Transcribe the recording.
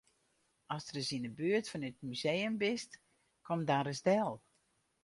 Ast ris yn 'e buert fan it museum bist, kom dan ris del.